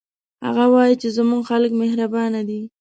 هغه وایي چې زموږ خلک مهربانه دي